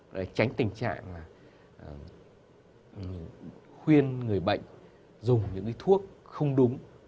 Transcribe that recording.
để tránh tình trạng là khuyên người bệnh dùng những thuốc không đúng